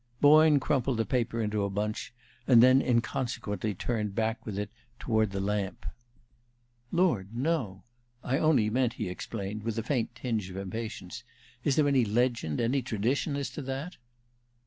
Boyne crumpled the paper into a bunch, and then inconsequently turned back with it toward the lamp. "Lord, no! I only meant," he explained, with a faint tinge of impatience, "is there any legend, any tradition, as to that?"